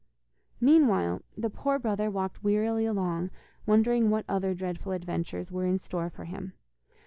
Meanwhile the poor brother walked wearily along, wondering what other dreadful adventures were in store for him.